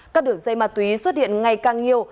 các đường dây ma túy xuất hiện ngày càng nhiều